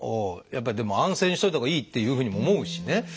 やっぱりでも安静にしといたほうがいいっていうふうにも思うしね。